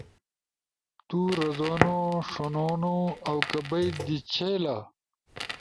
تو رزونو، ݜنونو اؤ کہ بئی دی چھیلا؟